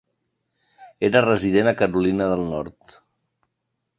Era resident a Carolina del Nord.